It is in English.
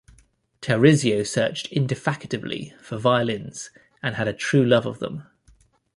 Tarisio searched indefatigably for violins and had a true love of them.